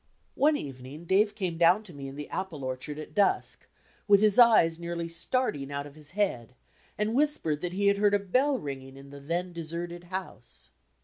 One evening Dave came down to me in the apple orchard at dusk, with his eyes nearly starting out of his head, and whispered that he had heard a bell ringing in the then deserted house.